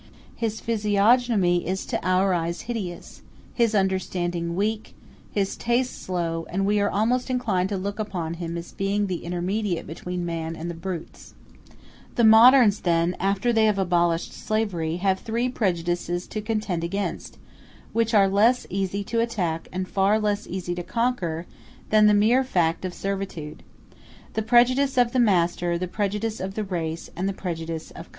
His physiognomy is to our eyes hideous, his understanding weak, his tastes low; and we are almost inclined to look upon him as a being intermediate between man and the brutes. *e The moderns, then, after they have abolished slavery, have three prejudices to contend against, which are less easy to attack and far less easy to conquer than the mere fact of servitude: the prejudice of the master, the prejudice of the race, and the prejudice of color.